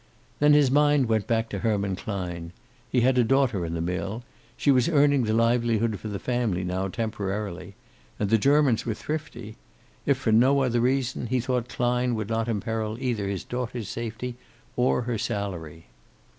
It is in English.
Then his mind went back to Herman Klein. He had a daughter in the mill. She was earning the livelihood for the family now, temporarily. And the Germans were thrifty. If for no other reason he thought Klein would not imperil either his daughter's safety or her salary.